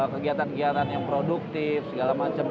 kegiatan kegiatan yang produktif segala macam